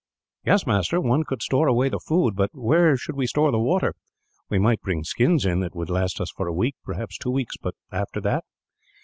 "Yes, master, one could store away the food; but where should we store the water? We might bring skins in that would last us for a week, perhaps two weeks, but after that?"